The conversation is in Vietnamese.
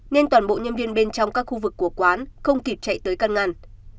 nên toàn bộ nhân viên bên trong các khu vực của quán không kịp chạy tới căn ngăn